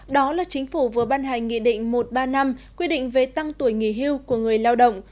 đó là chính phủ vừa ban hành nghị định một trăm ba mươi năm quy định về tăng tuổi nghỉ hưu của người lao động